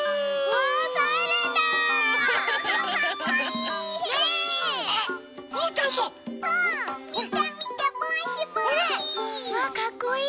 わぁかっこいい！